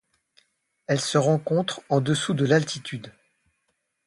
Elle se rencontre en-dessous de d'altitude.